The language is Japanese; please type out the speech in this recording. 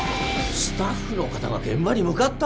スタッフの方が現場に向かった！？